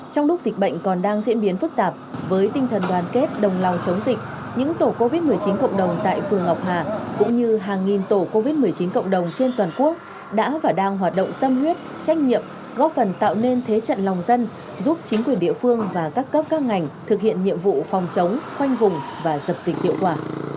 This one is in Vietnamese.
trong lúc dịch bệnh còn đang diễn biến phức tạp với tinh thần đoàn kết đồng lao chống dịch những tổ covid một mươi chín cộng đồng tại phường ngọc hà cũng như hàng nghìn tổ covid một mươi chín cộng đồng trên toàn quốc đã và đang hoạt động tâm huyết trách nhiệm góp phần tạo nên thế trận lòng dân giúp chính quyền địa phương và các cấp các ngành thực hiện nhiệm vụ phòng chống khoanh vùng và dập dịch hiệu quả